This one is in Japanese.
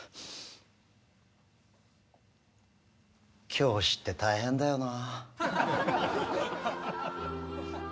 教師って大変だよな。